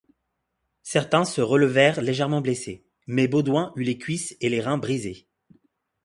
Certains se relevèrent légèrement blessés, mais Baudouin eut les cuisses et les reins brisés.